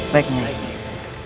baik nyi iroh